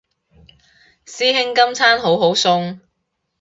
師兄今餐好好餸